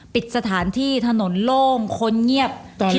ปิดสถานที่ถนนโล่งคนเงียบ